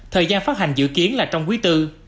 thời gian phát hành dự kiến là trong quý iv